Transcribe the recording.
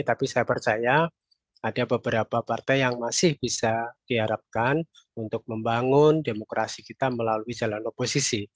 tapi saya percaya ada beberapa partai yang masih bisa diharapkan untuk membangun demokrasi kita melalui jalan oposisi